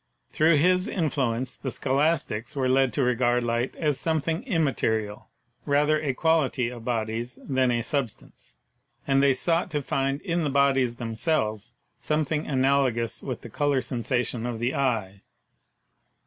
Through his in fluence the Scholastics were led to regard light as some thing immaterial, rather a quality of bodies than a sub stance, and they sought to find in the bodies themselves something analogous with the color sensation of the eye.